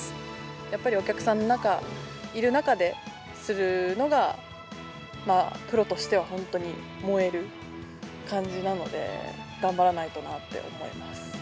やっぱりお客さんの中、いる中でするのが、プロとしては本当に燃える感じなので、頑張らないとなって思います。